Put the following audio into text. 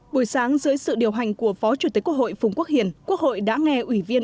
buổi sáng dưới sự điều hành của phó chủ tịch quốc hội phùng quốc hiền quốc hội đã nghe ủy viên